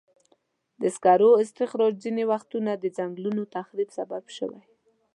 د سکرو استخراج ځینې وختونه د ځنګلونو تخریب سبب شوی.